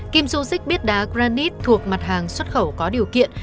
kim xuân xích biết đá granite thuộc mặt hàng xuất khẩu có điều kiện